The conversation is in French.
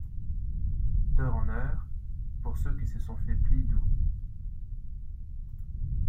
D’heure en heure, pour ceux qui se sont faits plis doux